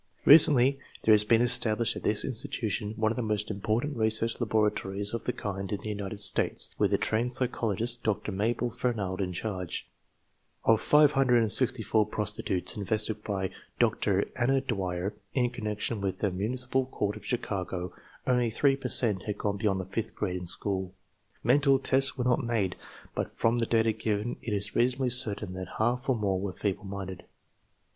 Recently there has been established at this institution one of the most important research laboratories of the kind in the United States, with a trained psychologist, Dr. Mabel Fernald, in charge. Of 564 prostitutes investigated by Dr. Anna Dwyer in connec tion with the Municipal Court of Chicago, only 3 per cent had gone beyond the fifth grade in school. Mental tests were not made, but from the data given it is reasonably certain Uiat half or more were feeble minded.